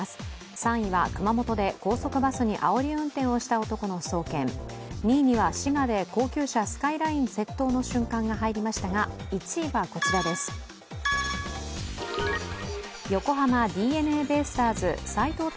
３位は熊本で高速バスにあおり運転をした男の送検２位には滋賀で高級車、スカイライン窃盗の瞬間が入りましたが横浜ＤｅＮＡベイスターズ斎藤隆